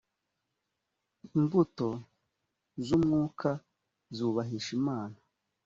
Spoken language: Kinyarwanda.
imbuto z’umwuka zubahisha imana